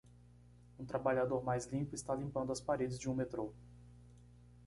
Um trabalhador mais limpo está limpando as paredes de um metrô